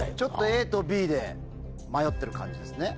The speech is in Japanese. ＡとＢで迷ってる感じですね。